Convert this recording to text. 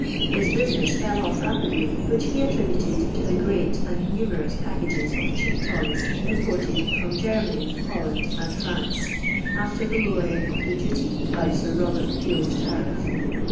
His business fell off rapidly, which he attributed to the great and numerous packages of cheap toys imported from Germany, Holland, and France, after the lower ing of the duty by Sir Robert Peel's tariff!